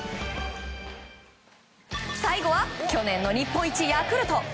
最後は去年の日本一、ヤクルト。